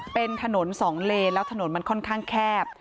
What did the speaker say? เป็นถนน๒เลถนนมันค่อนข้างแคบ